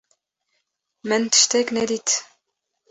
Min tiştek nedît.